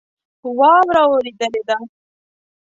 واوره اوریدلی ده